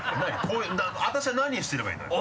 私は何をしていればいいのよ？